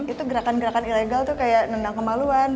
itu gerakan gerakan ilegal tuh kayak nendang kemaluan